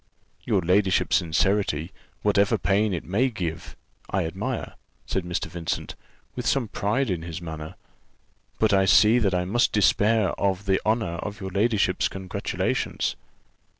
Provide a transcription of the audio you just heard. "Your ladyship's sincerity, whatever pain it may give me, I admire," said Mr. Vincent, with some pride in his manner; "but I see that I must despair of the honour of your ladyship's congratulations."